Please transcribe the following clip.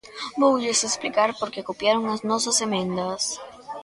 Voulles explicar por que copiaron as nosas emendas.